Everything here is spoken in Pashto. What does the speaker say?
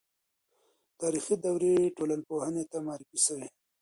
تاریخي دورې ټولنپوهنې ته معرفي سوې.